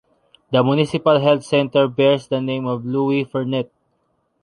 The municipal Health Center bears the name of Louis Fernet.